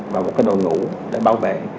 và một cái đồ ngủ để bảo vệ